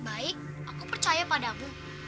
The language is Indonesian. aku akan membantumu